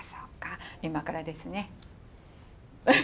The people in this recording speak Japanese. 今からですね。